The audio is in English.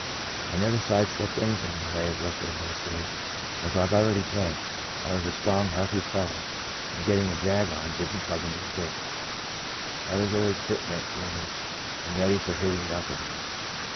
I never side stepped anything in the way of liquor in those days. As I've already said, I was a strong, healthy fellow, and getting a jag on didn't trouble me a bit. I was always fit next morning and ready for hitting it up again.